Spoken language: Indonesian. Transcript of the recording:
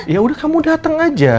ya udah kamu datang aja